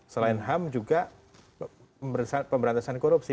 selain ham juga pemberantasan korupsi